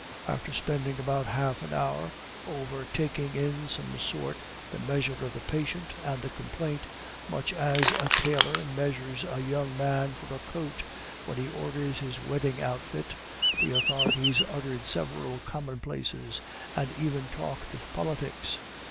After spending about half an hour over taking in some sort the measure of the patient and the complaint, much as a tailor measures a young man for a coat when he orders his wedding outfit, the authorities uttered several commonplaces, and even talked of politics.